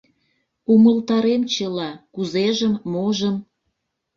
Умылтарем чыла кузежым, можым.